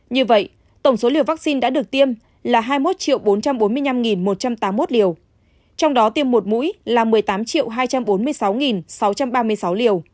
như vậy tổng số liều vaccine đã được tiêm là hai mươi một bốn trăm bốn mươi năm một trăm tám mươi một liều trong đó tiêm một mũi là một mươi tám hai trăm bốn mươi sáu sáu trăm ba mươi sáu liều